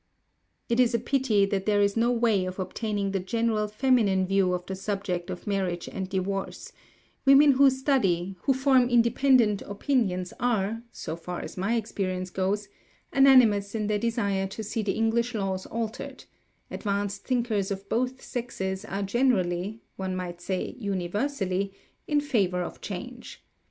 It is a pity that there is no way of obtaining the general feminine view of the subject of marriage and divorce; women who study, who form independent opinions are so far as my experience goes unanimous in their desire to see the English laws altered; advanced thinkers of both sexes are generally, one might say universally, in favour of change.